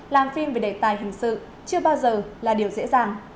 làm phim về đề tài hình sự chưa bao giờ là điều dễ dàng